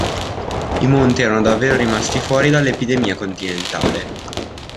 I Monti erano davvero rimasti fuori dall'epidemia continentale.